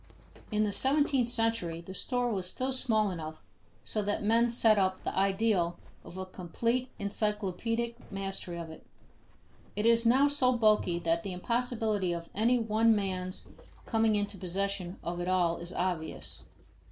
In the seventeenth century, the store was still small enough so that men set up the ideal of a complete encyclopedic mastery of it. It is now so bulky that the impossibility of any one man's coming into possession of it all is obvious.